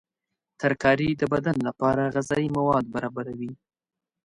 ترکاري د بدن لپاره غذایي مواد برابروي.